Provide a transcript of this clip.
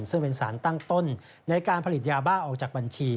ซึ่งเป็นสารตั้งต้นในการผลิตยาบ้าออกจากบัญชี